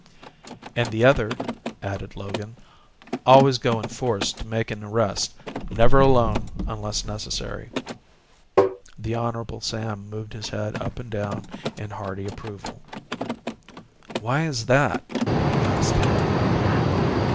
"And the other," added Logan, "always go in force to make an arrest never alone unless necessary." The Hon. Sam moved his head up and down in hearty approval. "Why is that?" asked Hale.